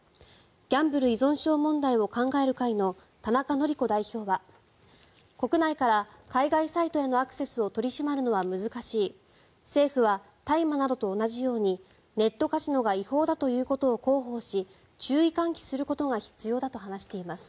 ギャンブル依存症問題を考える会の田中紀子代表は国内から海外サイトへのアクセスを取り締まるのは難しい政府は大麻などと同じようにネットカジノが違法だということを広報し注意喚起することが必要だと話しています。